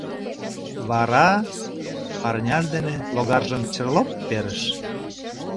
Вара... — парняж дене логаржым чырлоп перыш.